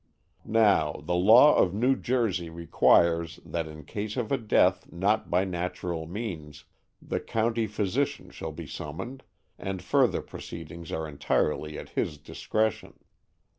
Now, the law of New Jersey requires that in case of a death not by natural means the county physician shall be summoned, and further proceedings are entirely at his discretion.